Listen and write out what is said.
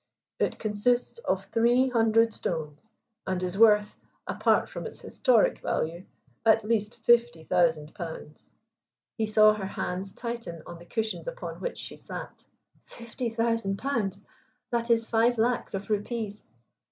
"It consists of three hundred stones, and is worth, apart from its historic value, at least fifty thousand pounds." He saw her hands tighten on the cushions upon which she sat. "Fifty thousand pounds! That is five lacs of rupees?"